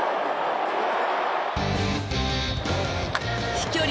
飛距離